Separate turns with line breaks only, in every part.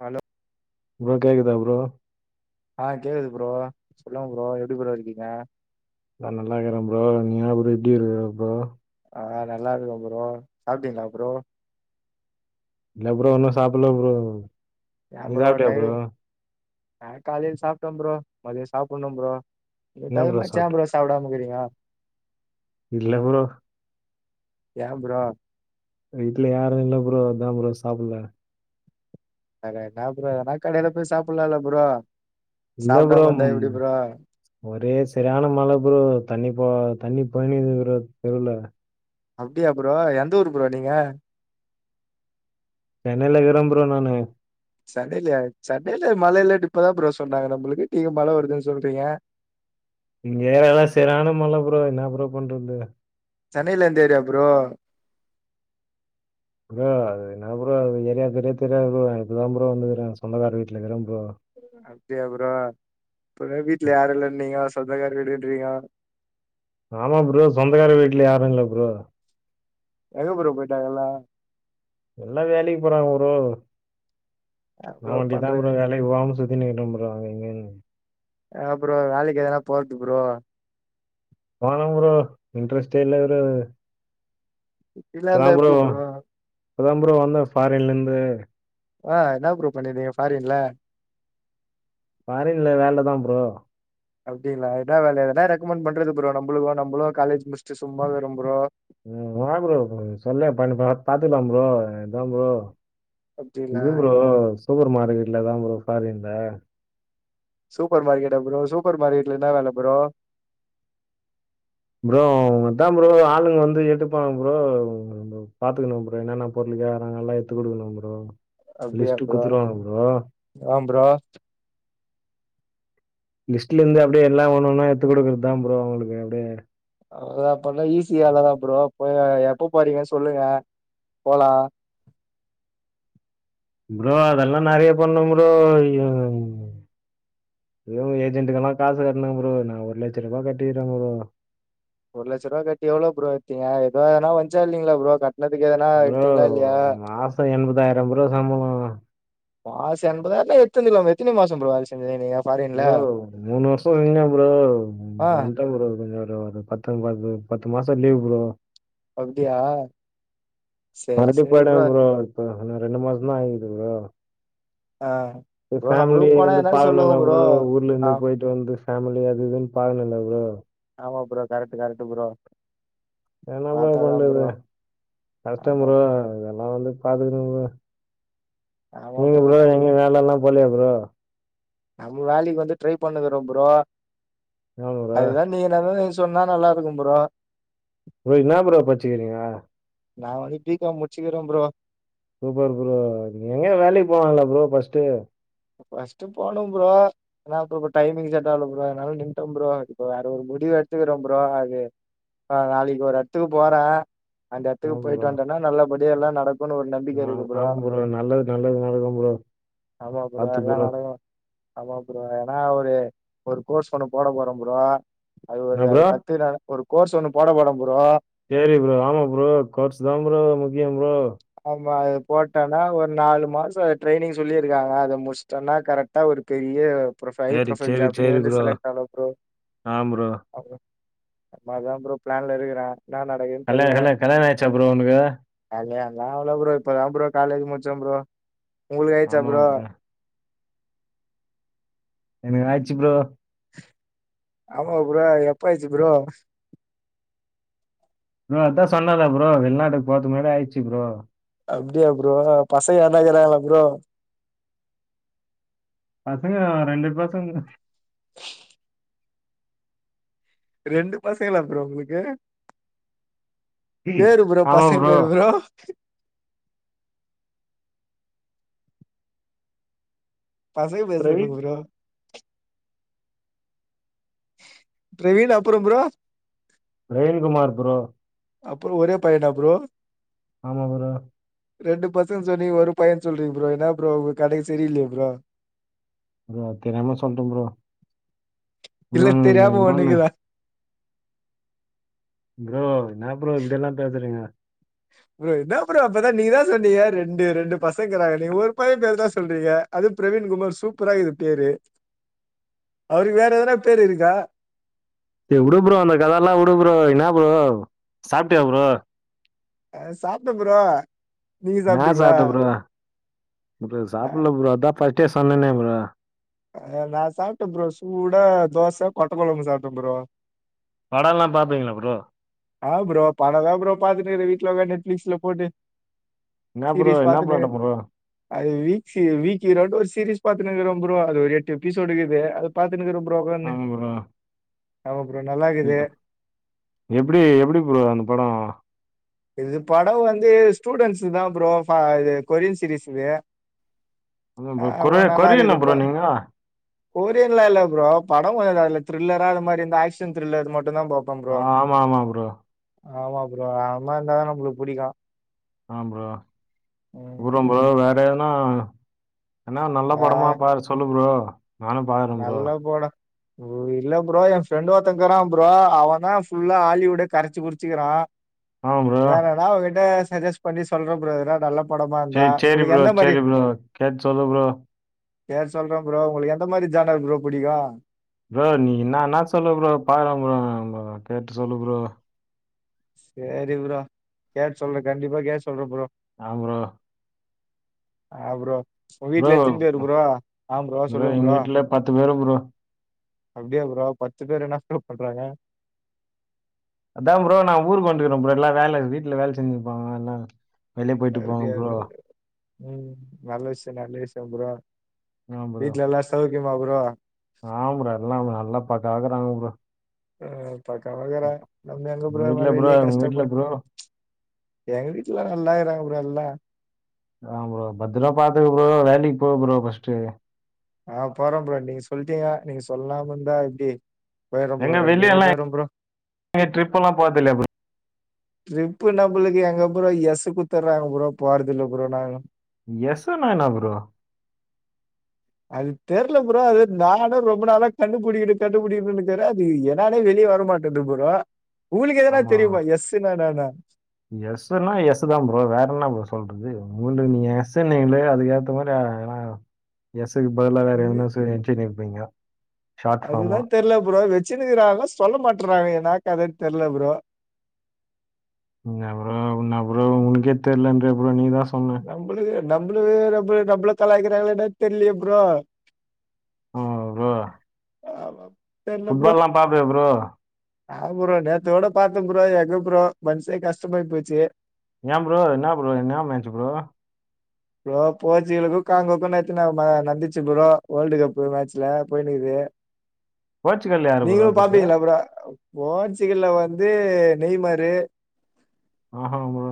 Hello
bro கேக்குதா bro
ஆ கேக்குது ஃப்ரோ சொல்லுங்க ஃப்ரோ எப்டி ஃப்ரோ இருக்கீங்க
நான் நல்லாகிறே ஃப்ரோ நீங் எப்டி இருகுர ஃப்ரோ
ஆ நல்லாருக்க ப்ரோ சாப்ட்டீங்ளா ப்ரோ
இல்ல ப்ரோ உன்னு சாப்புல்ல ப்ரோ
எ
நீ
ப்ரோ
சாப்ட்டியா
டைம் நா காலில் சாப்ட ப்ரோ மதியோ சாப்புணு ப்ரோ இந்த
என்ன
டைம்மாச்சா
சாப்ட்ட
ப்ரோ சாப்டாமக்கிறிங்க
இல்ல ப்ரோ
எ ப்ரோ
வீட்ல யாரு இல்ல ப்ரோ அதா ப்ரோ சாப்புல்ல
அட என்னா ப்ரோ எதனா கடையில போய் சாப்புல்லா இல்ல ப்ரோ
இல்ல ப்ரோ
சாப்டாம
ம்
இருந்தா எப்டி ப்ரோ
ஒரே செரியான மழ ப்ரோ தண்ணி போ தண்ணி போயினுகிது ப்ரோ தெருவுல
அப்டியா ப்ரோ எந்த ஊரு ப்ரோ நீங்க
சென்னைலகிர ப்ரோ நானு
சென்னையில சென்னையில மழ இல்லன் இப்பதா ப்ரோ சொன்னாங்க நம்புளுக்கு நீங்க மழ வருதுன் சொல்றீங்க
இங்க ஏரியால்லா செர்யான மழ ப்ரோ என்ன ப்ரோ பண்றது
சென்னையில எந்த ஏரியா ப்ரோ
ப்ரோ அது என்னா ப்ரோ அது ஏரியா பேரே தெரியாது ப்ரோ நா இப்ப தா ப்ரோ வந்துக்கிற சொந்தக்காரு வீட்லக்கிற ப்ரோ
அப்டியா ப்ரோ அப்பவே வீட்ல யாரு இல்லன்னீங்க சொந்தக்கார வீடுன் றீங்க
ஆமா ப்ரோ சொந்தக்காரு வீட்ல யாரு இல்ல ப்ரோ
எங்க ப்ரோ போய்ட்டாங்கெல்லா
எல்லா வேலைக்கு போறாங்க ப்ரோ நா
ப்ரோ
வொண்டிதா
பண்றது
ப்ரோ வேலைக்கு போவாம சுத் தின்னுகிட்ட ப்ரோ அங்க இங்கனு
அ ப்ரோ வேலைக்கு எதுனா போறத்து ப்ரோ
போனு ப்ரோ இன்ட்ரெஸ்ட்டே இல்ல ப்ரோ
இப்டில்லாந்தா எப்டி ப்ரோ
இப்பதா ப்ரோ வந்த ஃபாரின்லந்து
ஆ என்ன ப்ரோ பண்ணிருந்தீங்க ஃபாரின்ல
ஃபாரின்ல வேலதா ப்ரோ
அப்டிங்ளா என்னா வேல ஏதுனா ரெக்கமண் பண்றது ப்ரோ நம்புளுக்கு நம்புளு காலேஜ் முச்ட்டு சும்மாக்கிரோ ப்ரோ
ம் வா ப்ரோ சொல்லே பண்ணு பா பாத்துக்லா ப்ரோ இதா ப்ரோ
அப்டிங்களா
இது ப்ரோ சூப்பர் மார்க்கெட்ல தா ப்ரோ ஃபாரின்ல
சுப்பர் மாகெட்டா ப்ரோ சுப்பர் மார்கெட்ல இன்னா வேல ப்ரோ
ப்ரோ அத்தா ப்ரோ ஆளுங்க வந்து எடுப்பாங்க ப்ரோ‌ நம்ப பாத்துக்குனு ப்ரோ என்னென பொருளு வியாரங்கல்லா எத்து குடுக்கனு ப்ரோ
அப்டியா
லிஸ்ட்
ப்ரோ
குத்துருவாங்க ப்ரோ
ஆ ப்ரோ
லிஸ்ட்லந்து அப்டியே எல்லா ஒன்னொன்னா எத்துக் குடுக்கறதா ப்ரோ அவுங்களுக்கு அப்டியே
அதா அப்பன்னா ஈஸி வேலதா ப்ரோ உப்பயே எப்ப போறீங்க சொல்லுங்க போலா
ப்ரோ அதெல்லா நெறைய பண்ணு ப்ரோ ஐயோ யோ ஏஜென்ட்க்கெல்லா காசு கட்னு ப்ரோ நா ஒரு லட்சரூவா கட்டிகிற ப்ரோ
ஒரு லட்சரூவா கட்டி எவ்ளோ ப்ரோ எத்தீங்க எதோனா வஞ்ச்சா இல்லீங்ளா ப்ரோ கட் னதுக்கு எதனா
ப்ரோ
எடுதீங்ளா இல்லையா
மாசம் ப்ரோ சம்பளம்.
மாச என்பதாயிரால்லா எத்துந்துக்லாமே எத்தினி மாசோ ப்ரோ வேல செஞ்சதே நீங்க ஃபாரின்ல
ப்ரோ மூணு வருஷோ இருந்தே ப்ரோ இப்ப
ஆ
வன்டே ப்ரோ கொஞ்ச வொர்க் ஒரு பத்தொம்பது பத்து மாசோ லீவ் ப்ரோ
அப்டியா சரி சரி
வருத்தப்படாத ப்ரோ இப்போ ரெண்டு மாச தா ஆயிக்கிது ப்ரோ
ஆ ப்ரோ நம்மளுக்கு
ஃபேமிலி
போனா
வந்து
எதுனா சொல்லுங்க
பாக்கணுல்ல ப்ரோ ஊர்ல
ஆ
இருந்து போய்ட்டு வந்து ஃபேமிலி அது இதுன் பாக்கனுல்ல
ஆமா ப்ரோ கரெட் கரெட்டு ப்ரோ
என்ன ப்ரோ
பாத்தாதா
பண்றது
ப்ரோ
கஷ்ட
ஆமா
ப்ரோ இதெல்லா வந்து பாத்துக்கணு நீங்க ப்ரோ எங்க வேல எல்லா போலியா ப்ரோ
நம்ம வேலைக்கு வந்து ட்ரை பண்ணு இருக்குற ப்ரோ
என்ன ப்ரோ?
அதுதா நீ எதது சொன்னா நல்லா இருக்கு ப்ரோ
ப்ரோ என்ன ப்ரோ படிச்சு இருக்கீங்க
நா வந்து இப்ப பிக் காம் முடிச்சிருக்கே ப்ரோ
சூப்பர் ப்ரோ எங்க வேலைக்கு போலாங்களல ப்ரோ ஃபர்ஸ்ட்
ஃபர்ஸ்ட் போனு ப்ரோ ஏனா அப் டைமிங் செட் ஆகல ப்ரோ அதனால நின்னுட்டே ப்ரோ இப்ப வேற முடிவ் வு எடுத்துக்கூற ப்ரோ அது ஆ நாளைக்கு ஒரு இடத்துக்கு போற அந்த இடத்துக்கு
ஆமா ப்ரோ.
போயிட்டு வந்துட்டனா நல்லபடிய எல்லா நடக்கு
ஆ ஆமா ப்ரோ நல்லது நல்லது நடக்கு ப்ரோ
ஆமா ப்ரோ எல்லா நடக்கு ஆமா ப்ரோ ஏன்னா ஒரு ஒரு கோர்ஸ் ஒண்ணு போட போற ப்ரோ அது ஒரு
என்ன
அது
ப்ரோ?
கத்து ஒரு கோர்ஸ் ஒண்ணு போட போற ப்ரோ
சரி ப்ரோ ஆமா ப்ரோ கோர்ஷ் தா ப்ரோ முக்கியம் ப்ரோ
அது போட்டன்னா ஒரு நாலு மாசம் ட்ரைனிங் சொல்லியிருக்காங்க அத முடிச்சிட்டன்னா கரெக்டா ஒரு பெரிய ப்ரொபைல் ஹை
சரி,
ப்ரொபைல்
சரி,
ஜாப்லே
சரி
வந்து
ப்ரோ.
செலக்ட் ஆகலா ப்ரோ
ஆமா ப்ரோ.
அதா ப்ரோ பிளான் ல இருக்கிற
கல்யா கல்யா கல்யாணம் ஆயிருச்சா ப்ரோ உங்களுக்கு
அவளா ப்ரோ இப்ப தான்ப்ரோ காலேஜ் முடிச்ச ப்ரோ உங்களுக்கு ஆயிச்சா ப்ரோ
எனக்கு ஆயிடுச்சு ப்ரோ
ஆமா ப்ரோ எப்ப ஆச்சு ப்ரோ
ந அதா சொன்னல ப்ரோ வெளிநாட்டுக்கு பொதுக்கு முன்னாடி ஆயிடுச்சு ப்ரோ
அப்படியா ப்ரோ பசங்க யார்னா இருக்காங்களா ப்ரோ
பசங்க ரெண்டு பசங்க
ரெண்டு பசங்களா ப்ரோ உங்களுக்கு பேரு ப்ரோ பசங்க பேரு ப்ரோ பசங்க பேர்
பிரவீன்,
சொல்லுங்க ப்ரோ பிரவீன் அப்புறம் ப்ரோ
பிரவீன் குமார் ப்ரோ
அப்புறம் ஒரே பையனா ப்ரோ
ஆமா ப்ரோ
ரெண்டு பசங்கன்னு சொன்னிங்க ஒரு பையன் சொல்றீங்க ப்ரோ என்ன ப்ரோ உங்க கதையே சரி இல்லையே ப்ரோ
ப்ரோ தெரியாம சொல்லட்ட ப்ரோ
இல்ல
இன்னொன்னு
தெரியாம
இன்னொன்னு
ஒண்ணுக்குதா
ப்ரோ என்ன ப்ரோ இப்படியெல்லா பேசுறீங்க
ப்ரோ என்ன ப்ரோ அப்பதா நீ தா சொன்னீங்க ரெண்டு ரெண்டு பசங்கிறாங்க நீ ஒரு பைய பெயர் தா சொல்றீங்க அது பிரவீன் குமார் சூப்பர ஆ ஈக்குது பேரு
[inaudible]
அவருக்கு வேற எதனா பேரு இருக்கா
விடு ப்ரோ அந்த கத எல்லா விடு ப்ரோ என்ன ப்ரோ சாப்பிட்டைய ப்ரோ
அ சாப்பிட்ட ப்ரோ நீங்க
நான்
சாப்ட்டீங்களா
சாப்பிட்டேன் ப்ரோ ப்ரோ
நா
சாப்பிடல ப்ரோ அதா ஃபர்ஸ்ட்டே சொன்னேனே ப்ரோ
அ நா சாப்பிட்ட ப்ரோ சூட தோச கொட்டக்குழம்பு சாப்பிட்ட ப்ரோ
படம் எல்லா பாப்பிங்களா ப்ரோ
அ ப்ரோ படம் தா பாத்துட்டு இருக்கே வீட்டுல உட்காந்து நெட்ஃபிளிக்சுல போட்டு
என்ன ப்ரோ
சீரீஸ்
என்ன
பாத்துனு
படம் ப்ரோ
அது வீக்ஸ் வீக் ஒரு சீரியஸ் பாத்துட்டு இருக்குற ப்ரோ அது எட்டு எபிசோடு இருக்குது அத பாத்துட்டு இருக்கே ப்ரோ உட்காந்து
ஆமாம் ப்ரோ
ஆமா ப்ரோ நல்லா இருக்குது
எப்டி எப்டி ப்ரோ அந்த படம்
இது படம் வந்து ஸ்டூடண்டட்ஸ் இததா ப்ரோ இது கொரியன் சீரியல் இது
அதான்
ஆ
ப்ரோ
வ
கொரி
நல்லா
கொரியனா
இருக்குதுப் போ
ப்ரோ நீங்கள்
கோரியன்லா இல்ல ப்ரோ பட ஆமாங்க அந்த அதுல திரில்லறா அது மாரி இந்த ஆக்ஷன் திரில்லர் அது மட்
ஆமா ஆமா ப்ரோ
ஆமா ப்ரோ அது மாரி இருந்தாதா நம்மளுக்கு புடிக்கு
ஆம் ப்ரோ
ம்.
அப்றோ ப்ரோ வேற எதுனா என்னா நல்ல
வே
படமா பாத்து சொல்லு ப்ரோ நானு பாக்றே ப்ரோ
நல்ல படம். இல்ல ப்ரோ ஏ ஃப்ரெண்ட் ஒருத்தேக்றா ப்ரோ அவே தா ஃபுல்லா ஆலிவுட்டே கரச்சி குடிச்சிக்கிறா
ஆமாம் ப்ரோ
வேறன்னா அவங்கிட்ட சஜஸ்ட் பண்ணி சொல்றே ப்ரோ எதுனா நல்ல படமா இருந்தா.
செரி செரி
உங்களுக்கு
ப்ரோ
எந்த மாரி
செரி ப்ரோ கேட்டு சொல்லு ப்ரோ
சேரி சொல்றே ப்ரோ உங்களுக்கு எந்த மாரி ஜானல் ப்ரோ புடிக்கு
ப்ரோ நீ என்ன வேணா சொல்லு ப்ரோ பாக்கலா ப்ரோ கேட்டு சொல்லு ப்ரோ
சேரி ப்ரோ கேட்டு சொல்றே கண்டிப்பா கேட்டு சொல்றே ப்ரோ
ஆ ப்ரோ
ஆ ப்ரோ உ
ப்ரோ
வீட்ல எத்தினி பேரு ப்ரோ ஆ ப்ரோ சொல்லுங்க
எங்க
ப்ரோ
வீட்ல பத்து பேரு ப்ரோ
அப்டியா ப்ரோ பத்து பேர் என்ன ப்ரோ பண்றாங்க
அதா ப்ரோ நா ஊருக்கு வன்ட்டுக்குறே ப்ரோ எல்லா வேல வீட்ல வேல செஞ்சின்னுருப்பாங்க எல்லா
அப்டியா ம் நல்ல விஷயோ நல்ல விஷயோ ப்ரோ வீட்ல எல்லா சௌக்கியமா ப்ரோ
ஆமா ப்ரோ எல்லா நல்லா பக்காவாக்குறாங்க ப்ரோ
ஆ பக்காவாக்குறாங்க நம்ம எங்க
உங்க
ப்ரோ இது
வீட்ல
மாரி வெளிய
உங்க வீட்ல ப்ரோ
கஷ்டப்பட்டு எங்க வீட்ல நல்லாக்குறாங்க ப்ரோ எல்லா
ஆ ப்ரோ பத்ரமா பாத்துக்கோ ப்ரோ வேலக்கி போ ப்ரோ ஃபர்ஸ்ட்டு
ஆ போறே ப்ரோ நீங்க சொல்ட்டீங்க நீங்க சொல்லாம இருந்தா எப்டி போய்றே
எங்க
ப்ரோ
வெளிய
கண்டிப்பா
எல்லாம்
போய்றே ப்ரோ
எங்க ட்ரிப் எல்லாம் போறது இல்லையா ப்ரோ
ட்ரிப்பு நம்மளுக்கு எங்க ப்ரோ எஸ் குத்துர்றாங்க ப்ரோ போறதில்ல ப்ரோ நாங்க
எஸ்ன்னா என்ன ப்ரோ
அது தெர்ல ப்ரோ அது நானே ரொம்ப நாள கண்டுபுடிக்கணு கண்டுபுடிக்கணுன்னுக்குறே அது என்னானே வெளிய இங்க வர மாட்டது ப்ரோ உங்களுக்கு எதனா
ஆமா
தெரியுமா எஸ்ஸுனா என்னானு
எஸ்ன்னா எஸ்ஸுதா ப்ரோ வேற என்ன ப்ரோ சொல்றது முண்டு நீங்க எஸுன்னீங்களே அதுக்கேத்த மாரி ஏனா எஸ்க்கு பதிலா வேற
நம்மளு
எதுனாச்சு நெனச்சின்னு இருப்பீங்க
அதுதா தெரில ப்ரோ வச்சின்னுக்கிறாங்க சொல்ல மாட்றாங்க எதுனா கத தெர்ல ப்ரோ
என்ன ப்ரோ உன்ன ப்ரோ உனக்கே தெர்லன்ற ப்ரோ நீதா
நம்பளயே நம்பளவே நம்ப நம்பள கலாய்க்கிறாங்களா என்னன்னு தெரிலயே ப்ரோ
ஆ ப்ரோ
ஆமா
ஃபுட் பால்லா பாப்பயா ப்ரோ
ஆம் ப்ரோ நேத்து கூட பாத்தே ப்ரோ எங்க ப்ரோ மன்சே கஷ்டமாயி போச்சி
ஏ ப்ரோ என்ன ப்ரோ என்ன மேட்டர் ப்ரோ
ப்ரோ போச்சிகளுக்கு காங்கோக்கு நேத்து நா ம நடந்திச்சி ப்ரோ வேல்டு கப் மேட்ச்சுல போய்ன்னுக்குது
போர்ச்சுகல் யாரு ப்ரோ
நீங்களு
ஆடுறது?
பாப்பீங்களா ப்ரோ போர்ச்சிக்கல்ல வந்து நெய்மரு
ஆஹா ப்ரோ.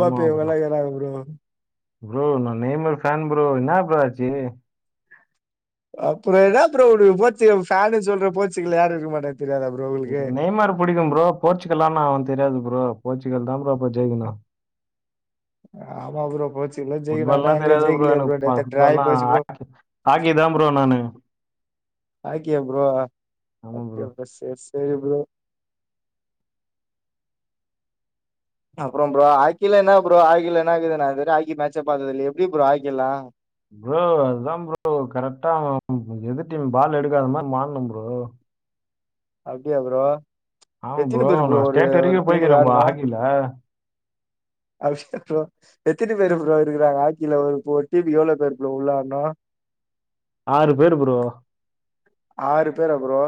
ஆமா ப்ரோ.
இவங்கெல்லா இக்கிறாங்க ப்ரோ
ப்ரோ நா நெய்மர் ஃபேன் ப்ரோ என்ன ப்ரோ ஆச்சி
அப்பறோ என்ன ப்ரோ உனக்கு போர்ச்சிக்கல் ஃபேன்னு சொல்ற போர்ச்சிக்கல யாரு இருக்க மாட்டா
நெய்மர் புடிக்கு ப்ரோ போர்ச்சுக்கல்லான்னு அவே வந்து தெரியாது ப்ரோ போர்ச்சுக்கல் தா ப்ரோ பஜெய்ங்கனா
ஆமா ப்ரோ போர்ச்சுகல்ல ஜெயிக்கணு ஆனா
ஃபுட்பால்லா
எங்க
தெரியாது ப்ரோ
ஜெயிக்கலையே
எனக்கு இப்ப
நேத்து டிராய்
இப்பெல்லா
போச்சு ப்ரோ
ஹாக் ஹாக்கி தா ப்ரோ என்னனு
[unintelligible] ப்ரோ
ஆமா ப்ரோ.
[unintelligible] சேரி ப்ரோ அப்புற ப்ரோ ஹாக்கில என்ன ப்ரோ ஹாக்கில என்ன இக்குது ஹாக்கி மேட்சே பாத்தது இல்ல எப்டி ப்ரோ ஹக்கி எல்லா
ப்ரோ அதுதான் ப்ரோ கரெக்டா எதுர் டீம் பால் எடுக்காத மாரி மாறணு ப்ரோ
அப்டியா ப்ரோ
ஆமா
எத்தினி
ப்ரோ
பேரு
நான்
ஒரு
ஸ்டேட் வரைக்கு
ஒரு டீமுக்கு
போய்கிறே ப்ரோ ஹாக்கில
அப்டிய ப்ரோ எத்தனை பேர் ப்ரோ இருக்கிறாங்க ஹாக்கில ஒரு டீம்கு எவ்ளோ பேர் உள்ள வரணு
ஆறு பேர் ப்ரோ
ஆறு பேர்ரா ப்ரோ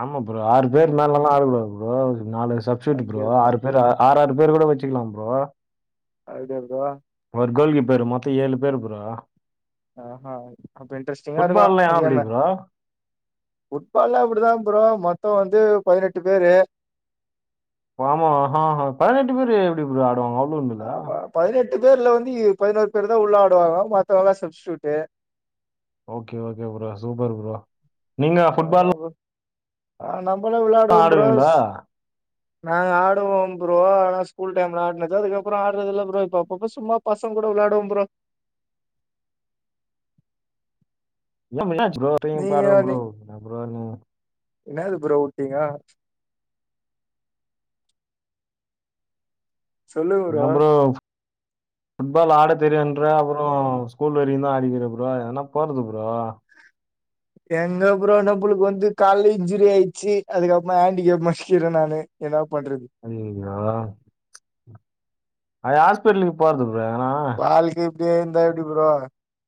ஆமா ப்ரோ ஆறு பேர் மேல
ம்ஹ்ம்.
எல்லா ஆடக்கூடாது ப்ரோ நாலு சப்ஸ்டியுப் ப்ரோ ஆறு பேர் ஆறு ஆறு பேர் கூட வச்சுக்கலா ப்ரோ
அப்டியா ப்ரோ
ஒரு கோல்கீப்பரு மொத்த ஏழு பேரு ப்ரோ
ஆஹ்ஹ அப்ப இன்ட்ரெஸ்டிங்கா இருக்கு
ஃபுட்பால்ல
அந்த
ஏன் அப்படி
கேம்மு
ப்ரோ
ஃபுட்பால்லா அப்டிதா ப்ரோ மொத்த வந்து பதினெட்டு பேரு
ஆமா ஆஹ்ஹ பதினெட்டு பேரு எப்டி ப்ரோ ஆடுவாங்க அவ்ளோண்டுல
னெட்டு பேர்ல வந்து பதினோரு பேர்தான் உள்ளாடுவாங்க மத்தவங்கா substitute
okay okay bro super bro நீங்க
ஆமா
ஃபுட்பால்லாம்
ப்ரோ ஆ நம்மளு விளையாடுவோ ப்ரோ
ஆடுவீங்களா
ஸ் நாங்க ஆடுவோ ப்ரோ ஆன ஸ்கூல் டைம்ல ஆடுனது அதுக்கப்புற ஆடுறது இல்லா ப்ரோ இப்பப்ப சும்மா பசங்க க கூட விளாடுவோ ப்ரோ
என்னம் என்னாச்சு ப்ரோ திரும்பி
நீங்க
பாருக
நீ
ப்ரோ என்ன ப்ரோ நீங்க
என்னது ப்ரோ உட்டீங்க சொல்லு ப்ரோ
ஃபுட்பால் ஆட தெரியுன்ற அப்புற ஸ்கூல் வரையு தா ஆடிக்கிற ப்ரோ என்னா போறது ப்ரோ
எங்க ப்ரோ நம்புளுக்கு வந்து கால்ல இன்சூரி ஆயிச்சு அதுக்கப்புற ஹேண்டிகேப் மாரிக்கிறே நானு என்னா பண்றது
அய்யயோ அ ஹாஸ்பிட்லுக்கு போறது ப்ரோ எங்கன
வாழ்க்கை இப்டியே இருந்தா எப்டி ப்ரோ